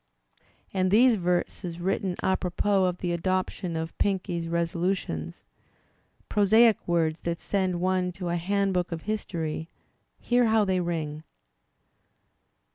And these verses written "apropos of the adoption of Pinckney's resolutions'* (prosaic words that send one to a handbook ol history), hear how they ring